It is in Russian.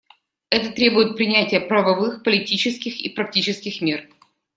Это требует принятия правовых, политических и практических мер.